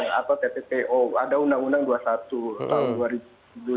ada persoalan atau tppo ada undang undang dua puluh satu tahun dua ribu dua